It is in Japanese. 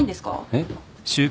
えっ？